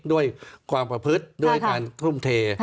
ด้วยความประพฤติด้วยการทุ่มเท